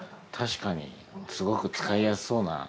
確かにすごく使いやすそうな。